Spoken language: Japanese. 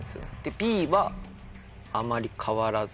Ｂはあまり変わらず。